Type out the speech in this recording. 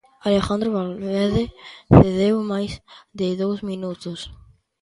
Alejandro Valverde cedeu máis de dous minutos.